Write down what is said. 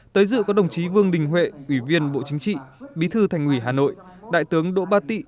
tới dự có đồng chí vương đình huệ ủy viên bộ chính trị bí thư thành ủy hà nội đại tướng đỗ ba tị